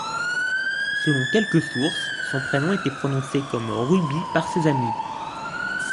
Selon quelques sources, son prénom était prononcé comme 'Ruby' par ses amis.